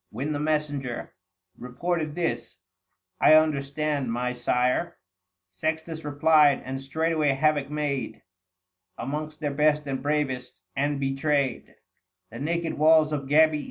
When the messenger Reported this —" I understand my sire," Sextns replied, and straightway havoc made Amongst their best and bravest, and betrayed 760 The naked walls of Gabii.